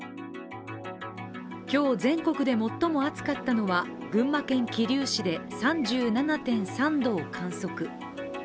今日、全国で最も暑かったのは群馬県桐生市で３７．３度を観測。